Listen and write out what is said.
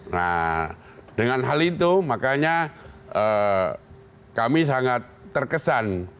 nah dengan hal itu makanya kami sangat terkesan